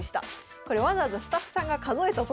これわざわざスタッフさんが数えたそうです。